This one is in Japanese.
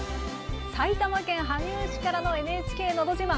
埼玉県羽生市からの「ＮＨＫのど自慢」